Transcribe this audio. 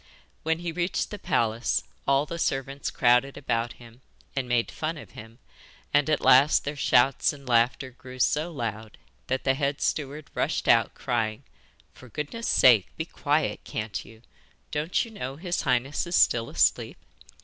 When he reached the palace all the servants crowded about him, and made fun of him, and at last their shouts and laughter grew so loud that the head steward rushed out, crying, 'For goodness sake, be quiet, can't you. Don't you know his highness is still asleep?